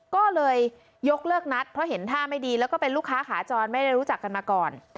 ก็เลยยกเลิกนัดเพราะเห็นท่าไม่ดีแล้วก็เป็นลูกค้าขาจรไม่ได้รู้จักกันมาก่อน